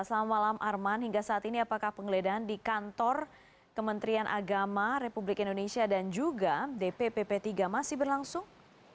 selamat malam arman hingga saat ini apakah penggeledahan di kantor kementerian agama republik indonesia dan juga dpp p tiga masih berlangsung